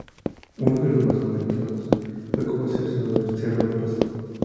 Uno de los más comentados fue con el seleccionado de Cerro de Pasco.